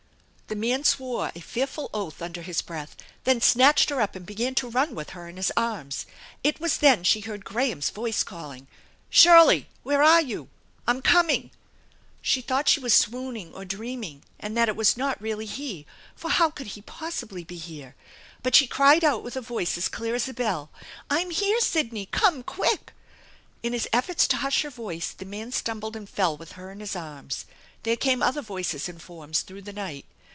The man swore a fearful oath under his breath, then snatched her up and began to run with her in his arms. It was then she heard Graham's voice calling :" Shirley ! Where are you ? I'm coming t 99 THE ENCHANTED BARN 283 She thought she was swooning or dreaming and that it was not really he, for how could he possibly be here? But she cried out with a voice as clear as a bell :" I'm here, Sidney, come quick !" In his efforts to hush her voice, the man stumbled and fell with her in his arms. There came other voices and forms through the night.